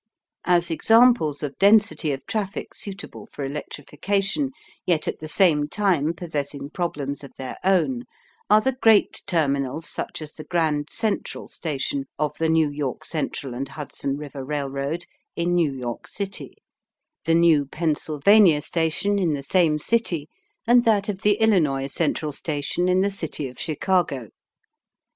As examples of density of traffic suitable for electrification, yet at the same time possessing problems of their own, are the great terminals such as the Grand Central Station of the New York Central and Hudson River Railroad in New York City, the new Pennsylvania Station in the same city, and that of the Illinois Central Station in the city of Chicago.